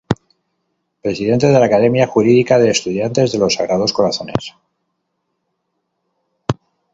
Presidente de la Academia Jurídica de estudiantes de los Sagrados Corazones.